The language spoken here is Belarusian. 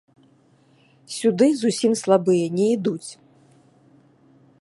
Сюды зусім слабыя не ідуць.